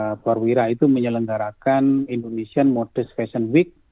dan juga perwira itu menyelenggarakan indonesia modest fashion week